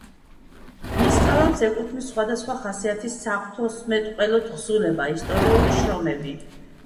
მის კალამს ეკუთვნის სხვადასხვა ხასიათის საღვთისმეტყველო თხზულება, ისტორიული შრომები.